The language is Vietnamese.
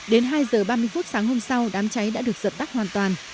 đến hai giờ ba mươi phút sáng hôm sau đám cháy đã được dập đắc hoàn toàn